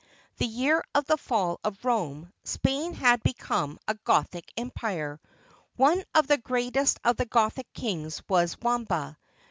the year of the fall of Rome, Spain had become a Gothic empire. One of the greatest of the Gothic kings was Wamba.